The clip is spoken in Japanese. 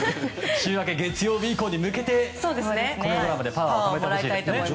週明け月曜日以降に向けてこのドラマでパワーをためてもらいたいですね。